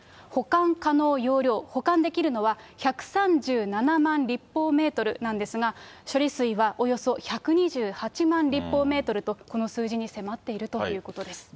保管可能容量、保管できるのは、１３７万立方メートルなんですが、処理水はおよそ１２８万立方メートルと、この数字に迫っているということです。